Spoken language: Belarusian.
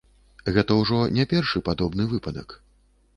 Гэта ўжо не першы падобны выпадак.